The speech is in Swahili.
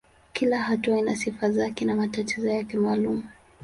Kila hatua ina sifa zake na matatizo yake maalumu.